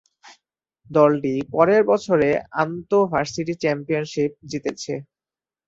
দলটি পরের বছর আন্ত-ভার্সিটি চ্যাম্পিয়নশিপ জিতেছে।